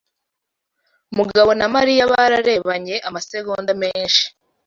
Mugabo na Mariya bararebanye amasegonda menshi.